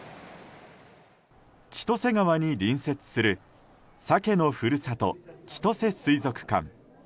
千歳川に隣接するサケのふるさと千歳水族館。